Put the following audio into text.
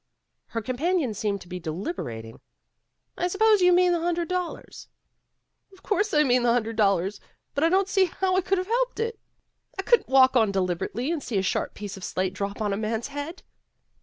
Her companion seemed to be deliberating. "I s'pose you mean the hundred dollars." *' Of course I mean the hundred dollars. But I don't see how I could have helped it. I 126 PEGGY RAYMOND'S WAY couldn't walk on deliberately and see a sharp piece of slate drop on a man's head."